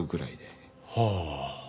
はあ。